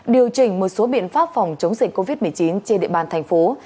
điều chỉnh một số biện pháp phòng chống dịch covid một mươi chín trên địa bàn thành phố